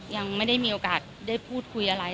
ยังไม่ได้มีโอกาสได้พูดคุยอะไร